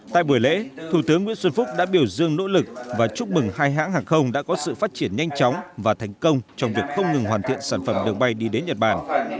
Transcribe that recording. tại buổi lễ thủ tướng nguyễn xuân phúc đã biểu dương nỗ lực và chúc mừng hai hãng hàng không đã có sự phát triển nhanh chóng và thành công trong việc không ngừng hoàn thiện sản phẩm đường bay đi đến nhật bản